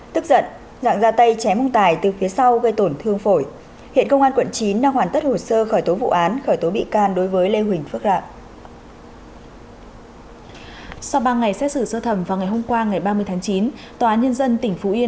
tức giận dạng ra tay chém ông tài từ phía sau gây tổn thương phổi hiện công an quận chín đang hoàn tất hồ sơ khởi tố vụ án khởi tố bị can đối với lê huỳnh phước rạng